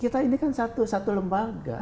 kita ini kan satu lembaga